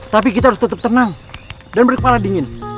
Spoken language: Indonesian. tapi kita harus tetap tenang dan berkepala dingin